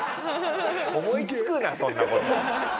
思いつくなそんな事。